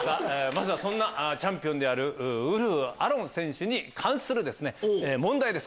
そんなチャンピオンであるウルフアロン選手に関する問題です